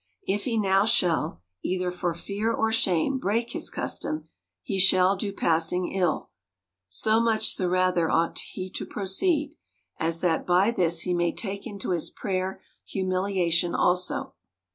If he now shall, either for fear or shame, break his custom, he shall do passing ill ; so much the rather ought he to proceed, as that by this he may take into his prayer humiliation also.